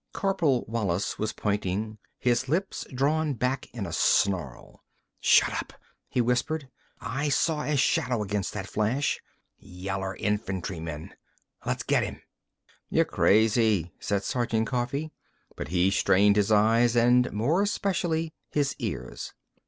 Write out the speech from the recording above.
Corporal Wallis was pointing, his lips drawn back in a snarl. "Shut up!" he whispered. "I saw a shadow against that flash! Yeller infantryman! Le's get 'im!" "Y'crazy," said Sergeant Coffee, but he strained his eyes and more especially his ears.